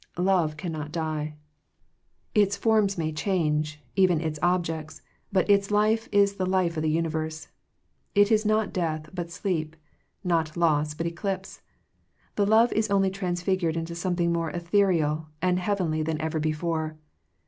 Love cannot die. Its forms may 127 Digitized by VjOOQIC THE ECLIPSE OF FRIENDSHIP change, even its objects, but its life is the life of the universe. It is not death, but sleep : not loss, but eclipse. The love is only transfigured into something more ethereal and heavenly than ever before.